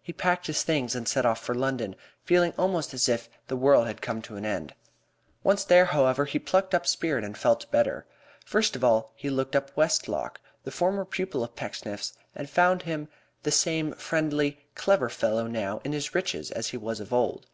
He packed his things and set off for London, feeling almost as if the world had come to an end. Once there, however, he plucked up spirit and felt better. First of all he looked up Westlock, the former pupil of Pecksniff's, and found him the same friendly, clever fellow now in his riches as he was of old.